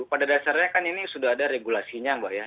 pada dasarnya kan ini sudah ada regulasinya mbak ya